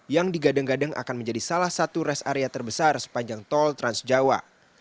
yang digadeng gadeng akan menjadi salah satu res area terbesar sepanjang tol transjawa